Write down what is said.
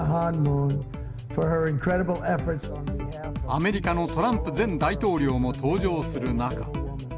アメリカのトランプ前大統領も登場する中。